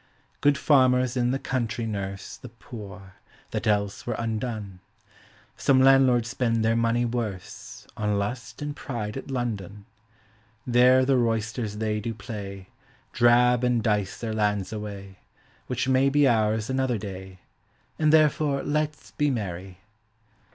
Good farmers in the country nurse The poor, that else were undone; Digitized by Google 332 POEMS OF HOME Some landlords spend their money worse, On lust and pride at London. There the roysters they do play, Drab and dice their lands away, Which may be ours another day, And therefore let 's be merry.